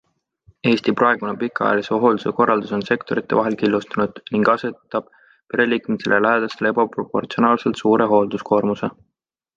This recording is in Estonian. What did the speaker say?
Eesti praegune pikaajalise hoolduse korraldus on sektorite vahel killustunud ning asetab pereliikmetele ja lähedastele ebaproportsionaalselt suure hoolduskoormuse.